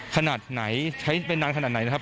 ขนาดไหนใช้ไปนานขนาดไหนนะครับ